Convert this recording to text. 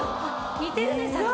似てるねさっきと。